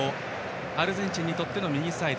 アルゼンチンにとっての右サイド